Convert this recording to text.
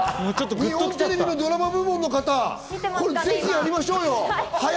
日本テレビのドラマ部門の方、これやりましょうよ！